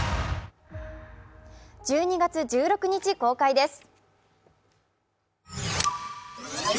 １２月１６日公開です。